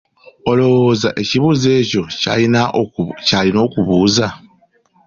Olowooza ekibuuzo ekyo ky'alina okubuuza?